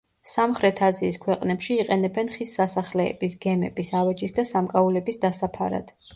სამხრეთ აზიის ქვეყნებში იყენებენ ხის სასახლეების, გემების, ავეჯის და სამკაულების დასაფარად.